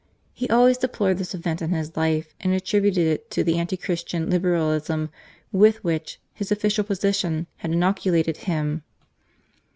He always deplored this event in his life, and attributed it to the anti Christian Liberalism with which his official position had inoculated him.